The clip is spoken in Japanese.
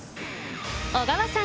小川さん